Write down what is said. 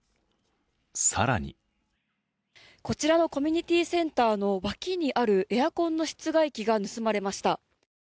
更にこちらのコミュニティーセンターの脇にあるエアコンの室外機が盗まれました。